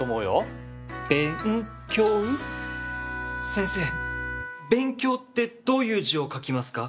先生「べんきょう」ってどういう字を書きますか？